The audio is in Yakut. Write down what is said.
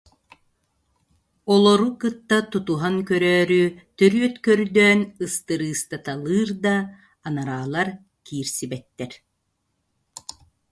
Олору кытта тутуһан көрөөрү, төрүөт көрдөөн ыстырыыстаталыыр да, анараалар киирсибэттэр